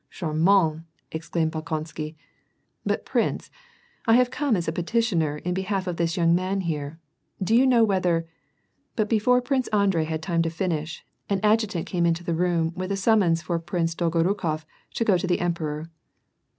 " Charmant /" exclaimed Bolkonsky. " But prince, I have oome as a petitioner in behalf of this young man here. Do you know whether "— but before Prince Andrei had time to finish, an adjutant came into the room with a summons for Prince Dolgorukof to go to the emperor.